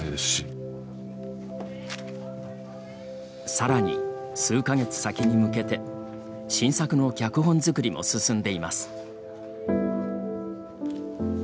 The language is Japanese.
さらに、数か月先に向けて新作の脚本作りも進んでいます。